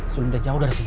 sebelum dia jauh dari sini